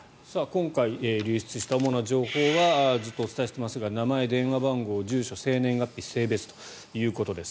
今回、流出した主な情報はずっとお伝えしていますが名前、電話番号、住所生年月日、性別ということです。